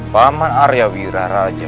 paman arya wiraraja